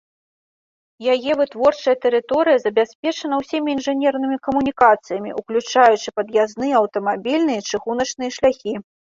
Яе вытворчая тэрыторыя забяспечана ўсімі інжынернымі камунікацыямі, уключаючы пад'язныя аўтамабільныя і чыгуначныя шляхі.